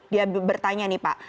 dia bertanya nih pak